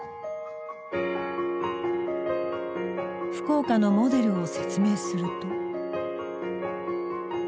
福岡のモデルを説明すると。